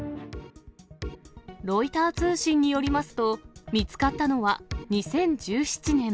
ロイター通信によりますと、見つかったのは、２０１７年。